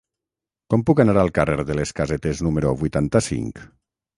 Com puc anar al carrer de les Casetes número vuitanta-cinc?